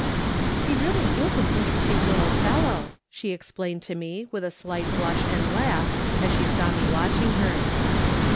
"He really is an interesting little fellow," she explained to me with a slight blush and laugh, as she saw me waitching her.